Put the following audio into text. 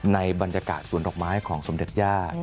ในบรรยากาศสวนดอกไม้ของสมเด็จย่า